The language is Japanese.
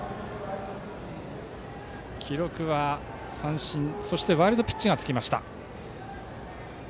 記録は三振、そしてワイルドピッチがつきました。